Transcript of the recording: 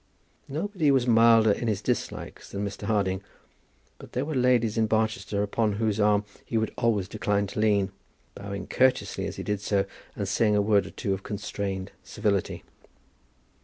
Nobody was milder in his dislikings than Mr. Harding; but there were ladies in Barchester upon whose arm he would always decline to lean, bowing courteously as he did so, and saying a word or two of constrained civility.